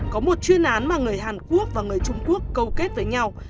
có một chuyên án mà người hàn quốc và người trung quốc câu kết với nhau